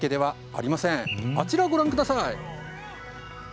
あちらをご覧ください。